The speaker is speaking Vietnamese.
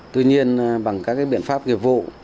tuy nhiên bằng các biện pháp nghiệp vụ